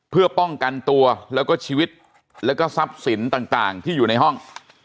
เพื่อป้องกันตัวแล้วก็ชีวิตแล้วก็ทรัพย์สินต่างที่อยู่ในห้อง